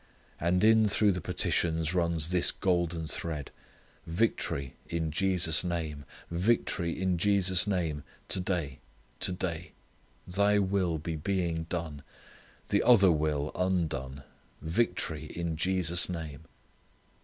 And in through the petitions runs this golden thread "Victory in Jesus' name: victory in Jesus' name; to day: to day: Thy will be being done: the other will undone: victory in Jesus' name."